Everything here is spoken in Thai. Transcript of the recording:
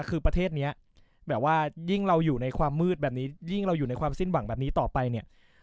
คือประเทศนี้แบบว่ายิ่งเราอยู่ในความมืดแบบนี้ยิ่งเราอยู่ในความสิ้นหวังแบบนี้ต่อไปเนี่ย